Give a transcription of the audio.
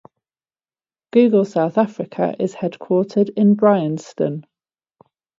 Google South Africa is headquartered in Bryanston.